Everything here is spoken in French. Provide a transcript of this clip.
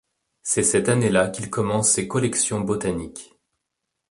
C'est cette année-là qu'il commence ses collections botaniques.